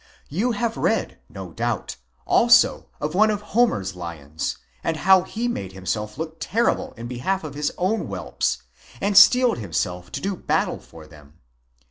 You have read no doubt, also, of one of Homer's lions, and of how he made himself look terrible in behalf of his own whelps and steeled himself to do battle for them.